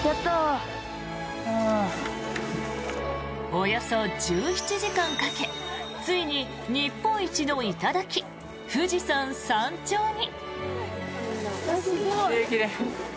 およそ１７時間かけついに日本一の頂富士山山頂に。